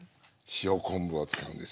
塩昆布を使うんです。